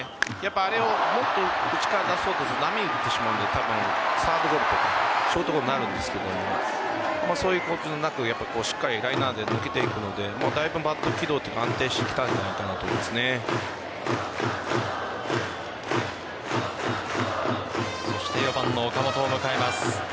あれをもっと内から出そうとすると波を打ってしまうのでサードゴロとかショートゴロになるんですがそういうことなくしっかりライナーで抜けていくのでだいぶ、バット軌道が安定してきたんじゃないかなとそして４番の岡本を迎えます。